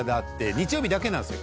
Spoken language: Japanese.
日曜日だけなんですよ